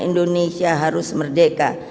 indonesia harus merdeka